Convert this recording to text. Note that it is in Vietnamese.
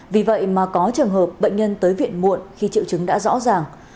vì vậy mà có trường hợp bệnh nhân tới viện muộn khi triệu chứng đã rõ ràng